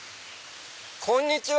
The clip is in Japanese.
こんにちは！